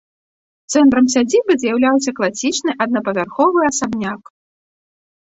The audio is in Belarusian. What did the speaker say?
Цэнтрам сядзібы з'яўляўся класічны аднапавярховы асабняк.